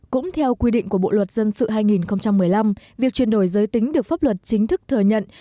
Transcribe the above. cũng theo quy định của bộ luật dân sự hai nghìn một mươi năm việc chuyển đổi giới tính được pháp luật chính thức thừa nhận